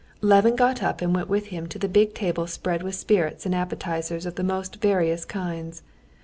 Levin got up and went with him to the big table spread with spirits and appetizers of the most various kinds.